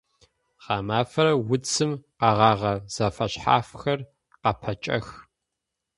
Гъэмафэрэ уцым къэгъэгъэ зэфэшъхьафхэр къапэкӏэх.